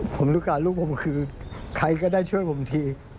ผมลูกการลูกผมคือใครก็ได้ช่วยผมที